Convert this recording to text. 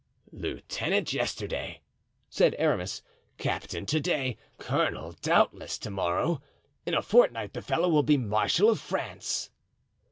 "Lieutenant yesterday," said Aramis, "captain to day, colonel, doubtless, to morrow; in a fortnight the fellow will be marshal of France."